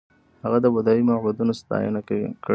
هغه د بودايي معبدونو ستاینه کړې